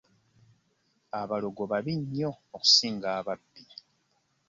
Abalogo babi nnyo okusinga ababbi.